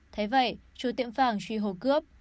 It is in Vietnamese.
thế vậy chủ tiệm vàng truy hô cướp